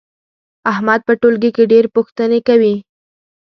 احمد په ټولګي کې ډېر پوښتنې کوي.